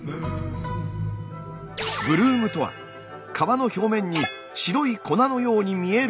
ブルームとは皮の表面に白い粉のように見えるこれ！